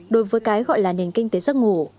đối với cái gọi là nền kinh tế giấc ngủ